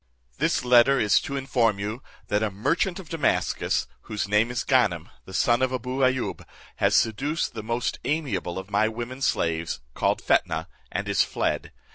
"This letter is to inform you, that a merchant of Damascus, whose name is Ganem, the son of Abou Ayoub, has seduced the most amiable of my women slaves, called Fetnah, and is fled.